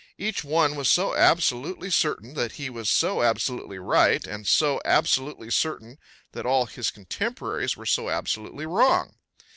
Each one was so absolutely certain that he was so absolutely right and so absolutely certain that all his contemporaries were so absolutely wrong.